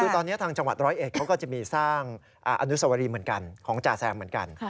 คือตอนนี้ทางจังหวัดร้อยเอ็ดเขาก็จะมีสร้างอนุสวรีเหมือนกันของจาแซมเหมือนกัน